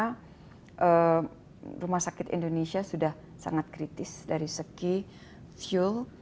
karena rumah sakit indonesia sudah sangat kritis dari segi fuel